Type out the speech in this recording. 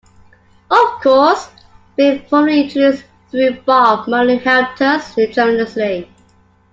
Of course, being formally introduced through Bob Marley helped us tremendously.